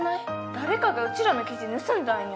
誰かがうちらの記事盗んだんや。